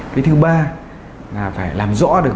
cái thứ ba là phải làm rõ được